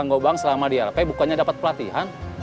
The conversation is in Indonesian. kang gopang selama di lp bukannya dapat pelatihan